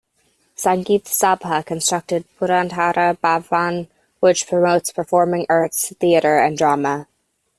Sangeetha Sabha constructed Purandhara Bhavan which promotes performing arts, theater and drama.